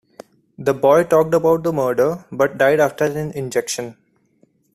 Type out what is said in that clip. The boy talked about the murder but died after an injection.